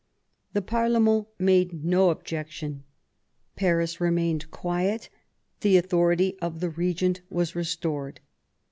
The parlement made no objection, Paris remained quiet, the authority of the regent was restored.